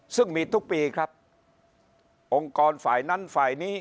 ซึ่งมีทุกปีครับองค์กรฝ่ายนั้นฝ่ายนี้